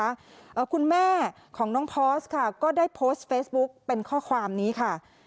เอ่อคุณแม่ของน้องพอร์สค่ะก็ได้โพสต์เฟซบุ๊กเป็นข้อความนี้ค่ะ